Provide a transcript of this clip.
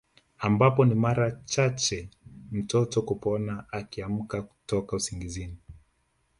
Ambapo ni mara chache mtoto kupona akiamka toka usingizini